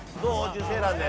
受精卵で。